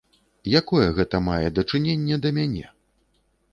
Якое гэта мае дачыненне да мяне?